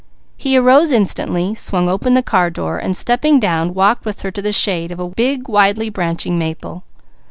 He arose instantly, swung open the car door, and stepping down walked with her to the shade of a big widely branching maple.